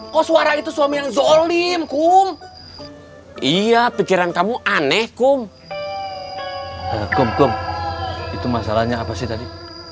kok suara itu suami yang zolim kum iya pikiran kamu aneh kum kum kem itu masalahnya apa sih tadi